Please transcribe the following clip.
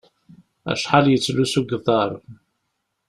Acḥal yettlusu deg uḍaṛ?